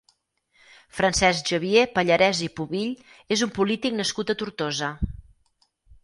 Francesc Xavier Pallarès i Povill és un polític nascut a Tortosa.